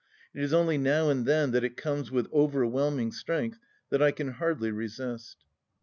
It is only now and then that it comes with overwhelming strength that I can hardly resist.